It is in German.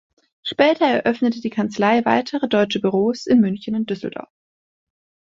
Später eröffnete die Kanzlei weitere deutsche Büros in München und Düsseldorf.